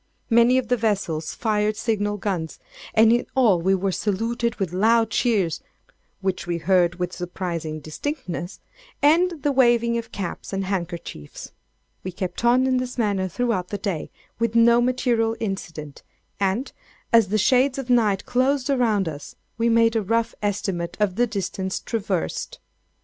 Many of the vessels fired signal guns; and in all we were saluted with loud cheers (which we heard with surprising distinctness) and the waving of caps and handkerchiefs. We kept on in this manner throughout the day, with no material incident, and, as the shades of night closed around us, we made a rough estimate of the distance traversed.